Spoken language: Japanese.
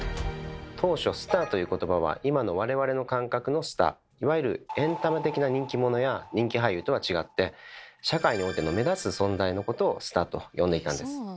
当初「スター」という言葉は今の我々の感覚のスターいわゆるエンタメ的な人気者や人気俳優とは違って社会においての目立つ存在のことをスターと呼んでいたんです。